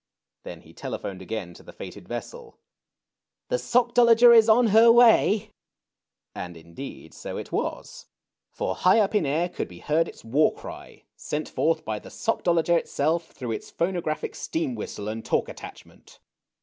Then he telephoned again to the fated vessel. " The Sockdolager is on her way !" And, indeed, so it was. For high up in air could be heard its war cry, sent forth by the Sockdolager THE PURSUIT OF HAPPINESS. 241 itself through its phonographic steam whistle and talk attachment.